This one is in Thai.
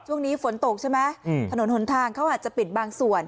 ช่วงนี้ฝนตกใช่ไหมถนนหนทางเขาอาจจะปิดบางส่วน